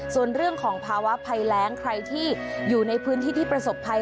ส่วนเรื่องของภาวะภัยแรงใครที่อยู่ในพื้นที่ที่ประสบภัย